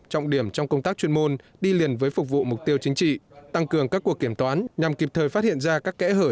trọng điểm trong công tác chuyên môn đi liền với phục vụ mục tiêu chính trị tăng cường các cuộc kiểm toán nhằm kịp thời phát hiện ra các kẽ hở